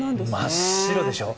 真っ白でしょ。